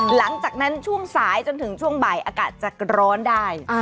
หลังจากนั้นช่วงสายจนถึงช่วงบ่ายอากาศจะร้อนได้